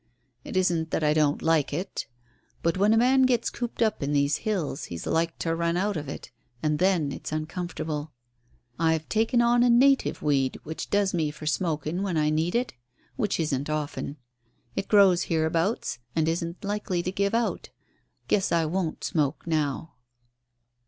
"It isn't that I don't like it. But when a man gets cooped up in these hills he's like to run out of it, and then it's uncomfortable. I've taken on a native weed which does me for smoking when I need it which isn't often. It grows hereabouts and isn't likely to give out. Guess I won't smoke now."